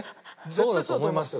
そうだと思います。